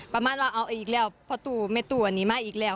ประมาณว่าเอาอีกแล้วเพราะตู้แม่ตู้อันนี้มาอีกแล้ว